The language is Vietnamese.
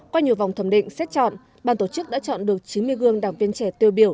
qua nhiều vòng thẩm định xét chọn ban tổ chức đã chọn được chín mươi gương đảng viên trẻ tiêu biểu